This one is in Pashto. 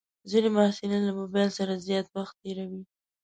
ځینې محصلین له موبایل سره زیات وخت تېروي.